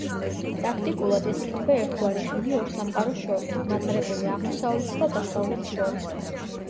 პრაქტიკულად, ეს იქნება ერთგვარი ხიდი ორ სამყაროს შორის – მატარებელი აღმოსავლეთს და დასავლეთს შორის.